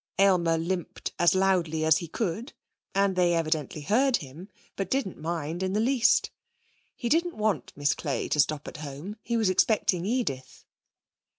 Aylmer limped as loudly as he could, and they evidently heard him, but didn't mind in the least. He didn't want Miss Clay to stop at home. He was expecting Edith.